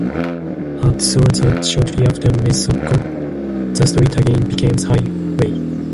At Soazza, shortly after Mesocco, the street again becomes a highway.